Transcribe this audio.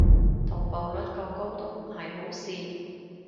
同步率過高都唔係好事